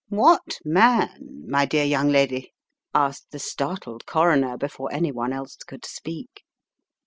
"What man, my dear young lady?" asked the startled Coroner before any one else could speak.